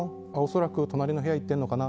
恐らく隣の部屋に行ってるのかな。